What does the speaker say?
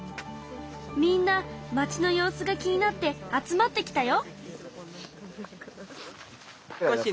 みんな町の様子が気になって集まってきたよ。